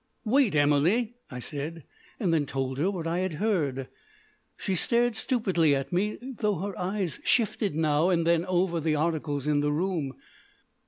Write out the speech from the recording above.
"Wait, Emily," I said, and then told her what I had heard. She stared stupidly at me, though her eyes shifted now and then over the articles in the room.